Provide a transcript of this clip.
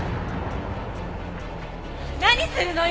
何するのよ！